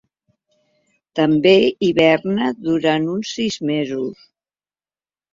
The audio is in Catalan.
També hiberna durant uns sis mesos.